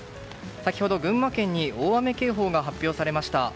先ほど、群馬県に大雨警報が発表されました。